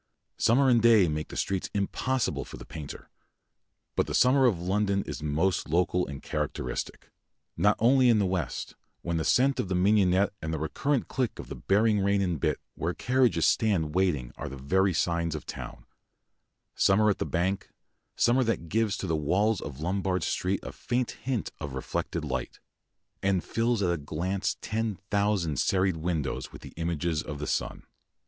Summer and day make the streets impossible for the painter. But the summer of London is most local and characteristic not only in the west, when the scent of mignonette and the recurrent click of the bearing rein and bit where carriages stand waiting are the very signs of town; summer at the Bank, summer that gives to the walls of Lombard Street a faint hint of reflected light, and fills at a glance ten thousand serried windows with the images of the sun.